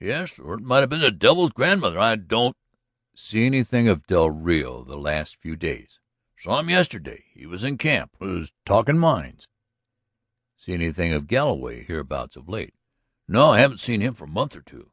"Yes. Or it might have been the Devil's grandmother. I don't ..." "See anything of del Rio the last few days?" "Saw him yesterday. He was in camp. Was talking mines." "See anything of Galloway hereabouts of late?" "No. Haven't seen him for a month or two."